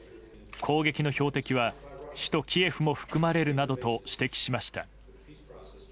攻撃の標的は首都キエフも含まれるなどと指摘しました。